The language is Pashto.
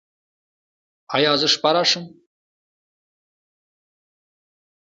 ایا زه شپه راشم؟